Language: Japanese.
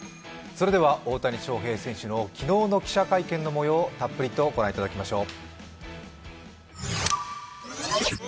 大谷翔平選手の昨日の記者会見の模様、たっぷりと御覧いただきましょう。